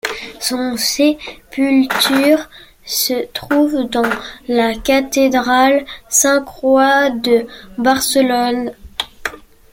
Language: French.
Son sépulture se trouve dans la cathédrale Sainte-Croix de Barcelone.